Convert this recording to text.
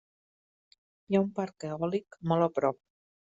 Hi ha un parc eòlic mot a prop.